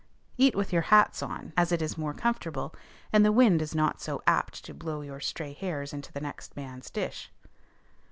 Eat with your hats on, as it is more comfortable, and the wind is not so apt to blow your stray hairs into the next man's dish.